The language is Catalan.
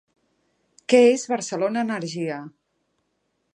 Què és Barcelona Energia?